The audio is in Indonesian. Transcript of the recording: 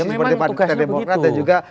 ya memang tugasnya begitu